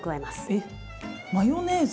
えっマヨネーズ？